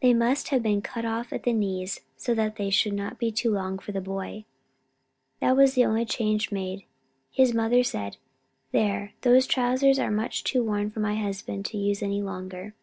They must have been cut off at the knees so that they should not be too long for the boy. That was the only change made. His mother said: "There, those trousers are too much worn for my husband to use any longer.